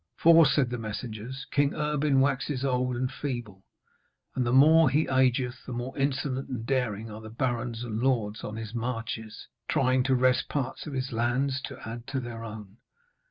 'For,' said the messengers, 'King Erbin waxes old and feeble, and the more he ageth the more insolent and daring are the barons and lords on his marches, trying to wrest parts of his lands to add to their own.